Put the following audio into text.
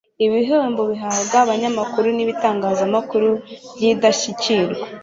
ibihembo bihabwa abanyamakuru n'ibitangazamakuru by'indashyikirwa